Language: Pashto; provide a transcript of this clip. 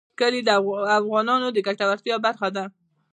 کلي د افغانانو د ګټورتیا برخه ده.